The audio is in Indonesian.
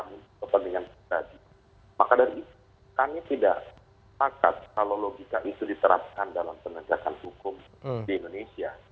maka dari itu kami tidak sepakat kalau logika itu diterapkan dalam penegakan hukum di indonesia